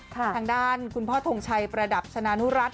ทางด้านคุณพ่อทงชัยประดับชนะนุรัติ